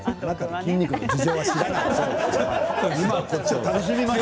筋肉の事情は知らないよ。